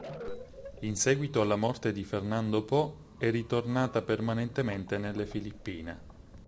In seguito alla morte di Fernando Poe è ritornata permanentemente nelle Filippine.